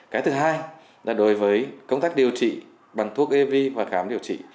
cái thứ hai là đối với công tác điều trị bằng thuốc hiv và khám điều trị